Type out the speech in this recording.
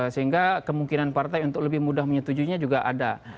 sehingga kemungkinan partai untuk lebih mudah menyetujuinya juga ada